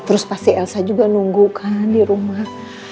terus pasti elsa juga nunggu kan di rumah